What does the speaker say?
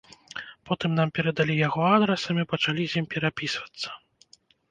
Потым нам перадалі яго адрас, і мы пачалі з ім перапісвацца.